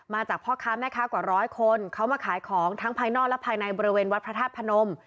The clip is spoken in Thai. จากพ่อค้าแม่ค้ากว่าร้อยคนเขามาขายของทั้งภายนอกและภายในบริเวณวัดพระธาตุพนม